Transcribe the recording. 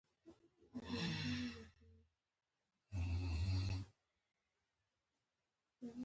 غریب د زړونو شګونه دی